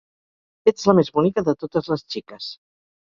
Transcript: Ets la més bonica de totes les xiques.